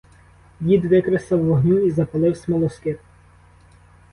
Дід викресав вогню і запалив смолоскип.